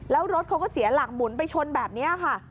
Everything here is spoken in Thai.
แล้วรถเขาก็เสียหลักหมุนไปชนแบบนี้ค่ะ